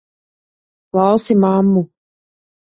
Klausi mammu!